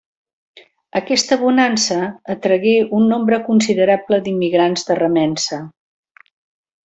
Aquesta bonança atragué un nombre considerable d'immigrants de remença.